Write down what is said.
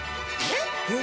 えっ！